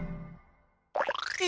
え？